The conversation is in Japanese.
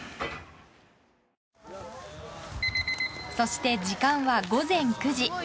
そして、時間は午前９時。